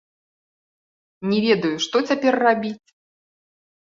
Не ведаю, што цяпер рабіць.